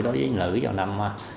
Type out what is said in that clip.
đối với nữ vào năm hai nghìn ba mươi năm